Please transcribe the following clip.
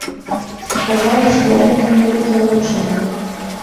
Казалі, што яны там нібыта на вучэннях.